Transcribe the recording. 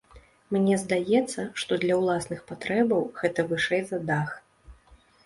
Мне здаецца, што для ўласных патрэбаў гэта вышэй за дах.